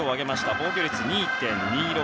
防御率２．２６。